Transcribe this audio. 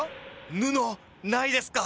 布ないですか？